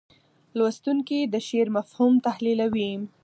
لوستونکي د شعر مفهوم تحلیلوي.